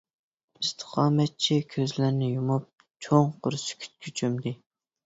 ئىستىقامەتچى كۆزلىرىنى يۇمۇپ چوڭقۇر سۈكۈتكە چۆمدى.